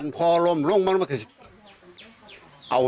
อันนี้เป็นคำกล่าวอ้างของทางฝั่งของพ่อตาที่เป็นผู้ต้องหานะ